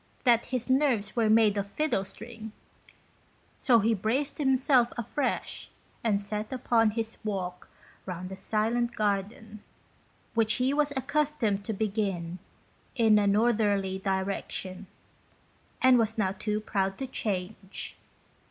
that " his nerves were made of fiddle string," so he braced himself afresh and set upon his walk round the silent garden, which he was accustomed to begin in a northerly direction, and was now too proud to change.